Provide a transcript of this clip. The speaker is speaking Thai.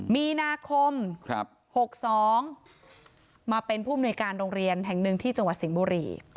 มีนาคม๖๒มาเป็นผู้มนุยการโรงเรียนแห่งหนึ่งที่จังหวัดสิงห์บุรี